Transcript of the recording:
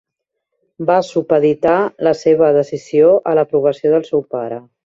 Va supeditar la seva decisió a l'aprovació del seu pare.